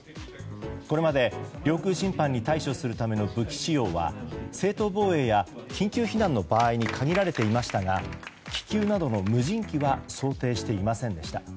これまで領空侵犯に対処するための武器使用は正当防衛や緊急避難の場合に限られていましたが気球などの無人機は想定していませんでした。